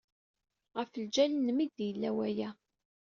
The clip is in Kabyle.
Ɣef ljal-nnem ay d-yella waya.